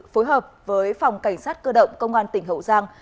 phối hợp với phòng cảnh sát cơ động công an tỉnh hậu giang